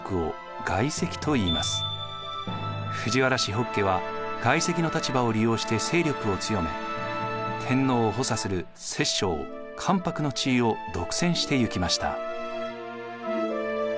北家は外戚の立場を利用して勢力を強め天皇を補佐する摂政・関白の地位を独占していきました。